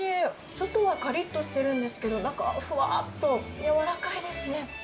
外はかりっとしてるんですけど、中はふわっとやわらかいですね。